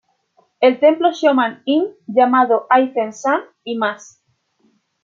El templo Shoman-in llamado Aizen-san y más.